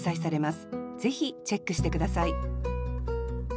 ぜひチェックして下さい